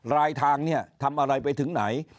รายทางเนี่ยทำอะไรไปถึงไหน